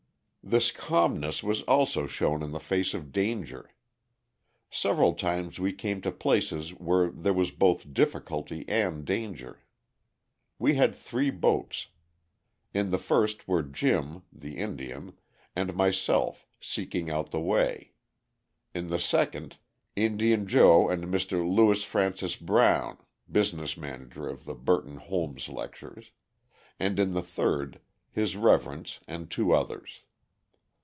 This calmness was also shown in the face of danger. Several times we came to places where there was both difficulty and danger. We had three boats. In the first were Jim (the Indian) and myself, seeking out the way; in the second, Indian Joe and Mr. Louis Francis Brown (business manager of the Burton Holmes lectures); and in the third his reverence and two others.